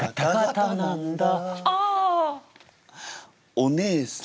お姉さん。